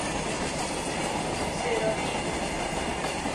سه راهی